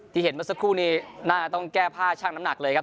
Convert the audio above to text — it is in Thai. ที่เห็นมาสักครู่นี้น่าจะต้องแก้พ่อช่างน้ำหนักเลยครับ